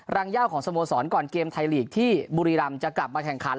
ย่าของสโมสรก่อนเกมไทยลีกที่บุรีรำจะกลับมาแข่งขัน